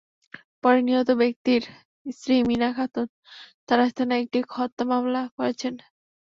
পরে নিহত ব্যক্তির স্ত্রী মিনা খাতুন তাড়াশ থানায় একটি হত্যা মামলা করেছেন।